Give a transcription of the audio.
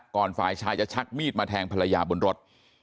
ฝ่ายชายจะชักมีดมาแทงภรรยาบนรถ